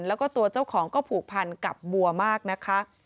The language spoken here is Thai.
แล้วก็ตัวเจ้าของก็ผูกพันกับบัวมากนะคะ